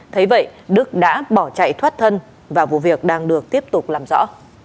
thấy vậy đức đã bỏ chạy thoát thân và vụ việc đang được tiếp tục làm rõ